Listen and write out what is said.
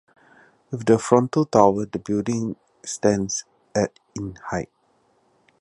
With the frontal tower, the building stands at in height.